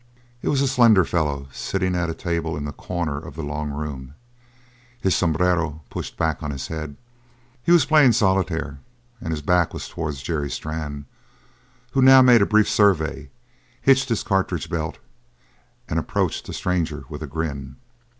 It was a slender fellow sitting at a table in a corner of the long room, his sombrero pushed back on his head. He was playing solitaire and his back was towards Jerry Strann, who now made a brief survey, hitched his cartridge belt, and approached the stranger with a grin.